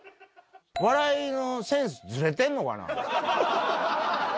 笑いのセンス、ずれてんのかな？